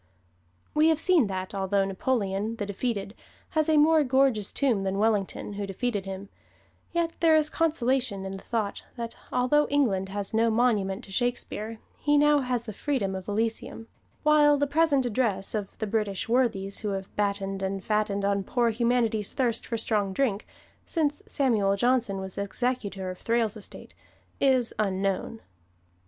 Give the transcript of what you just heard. We have seen that, although Napoleon, the defeated, has a more gorgeous tomb than Wellington, who defeated him, yet there is consolation in the thought that although England has no monument to Shakespeare he now has the freedom of Elysium; while the present address of the British worthies who have battened and fattened on poor humanity's thirst for strong drink, since Samuel Johnson was executor of Thrale's estate, is unknown.